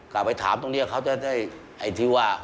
กะไปถามตรงนี้เขาต้องได้ที่จะว่า